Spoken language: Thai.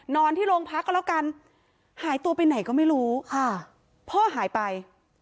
นอนที่โรงพักก็แล้วกันหายตัวไปไหนก็ไม่รู้ค่ะพ่อหายไป